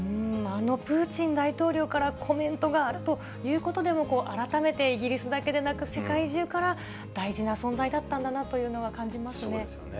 あのプーチン大統領からコメントがあるということでも、改めてイギリスだけでなく、世界中から大事な存在だったなというのは感じますね。